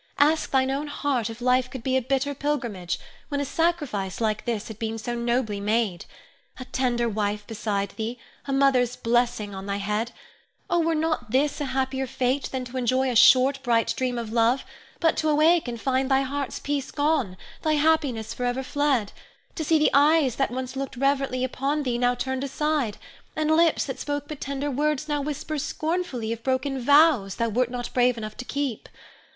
Ask thine own heart if life could be a bitter pilgrimage, when a sacrifice like this had been so nobly made. A tender wife beside thee, a mother's blessing on thy head, oh, were not this a happier fate than to enjoy a short, bright dream of love, but to awake and find thy heart's peace gone, thy happiness forever fled; to see the eyes that once looked reverently upon thee now turned aside, and lips that spoke but tender words now whisper scornfully of broken vows thou wert not brave enough to keep.